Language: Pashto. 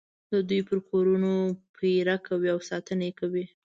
د دوی پر کورونو پېره کوي او ساتنه یې کوي.